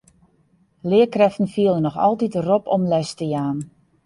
Learkrêften fiele noch altyd de rop om les te jaan.